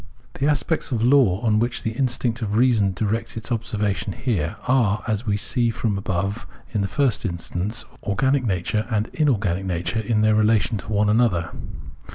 The aspects of law on which the instinct of reason directs its observation here, are, as we see from the above, in the first instance organic nature and in organic nature in their relation to one another.